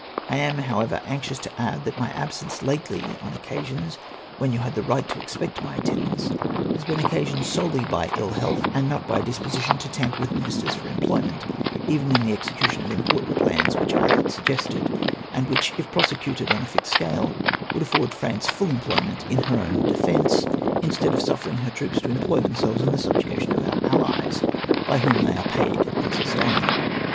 " I am, however, anxious to add, that my absence lately, on occasions when you have had a right to expect my atten dance, has been occasioned solely by ill health, and not by a disposition to tamper with ministers for employment, even in the execution of important plans which I had suggested ; and which, if prosecuted on a fit scale, would afford France full employment in her own defence, instead of suffering her troops to employ themselves in the subjugation of our allies, by whom they are paid and maintained